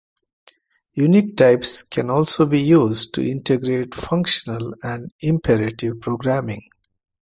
Unique types can also be used to integrate functional and imperative programming.